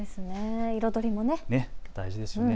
彩りも大事ですよね。